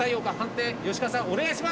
お願いします！